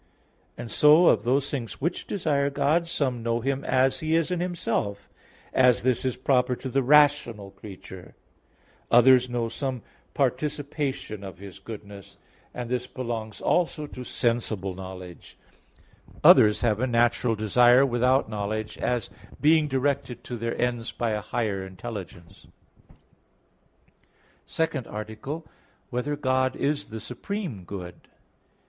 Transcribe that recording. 3). And so of those things which desire God, some know Him as He is Himself, and this is proper to the rational creature; others know some participation of His goodness, and this belongs also to sensible knowledge; others have a natural desire without knowledge, as being directed to their ends by a higher intelligence. _______________________ SECOND ARTICLE [I, Q. 6, Art. 2] Whether God Is the Supreme Good?